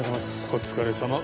お疲れさま。